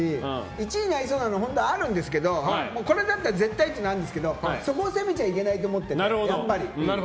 １位にありそうなのありそうなんですけどこれだったら絶対というのがあるんですけどそこは攻めちゃいけないと思って。